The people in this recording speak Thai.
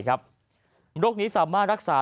โรคนี้สามารถรักษา